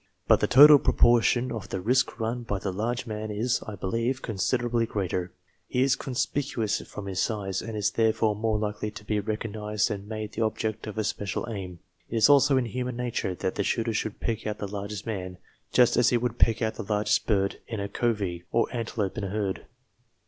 But the total proportion of the risk run by the large man, is, I believe, considerably greater. He is conspicuous from his size, and is therefore more likely to be recognised and made the object of a special aim. It is also in human nature, that the shooter should pick out the largest man, just as he would pick out the largest bird in a covey, or antelope in a herd.